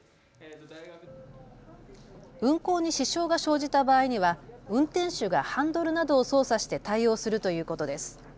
運行に支障が生じた場合には運転手がハンドルなどを操作して対応するということです。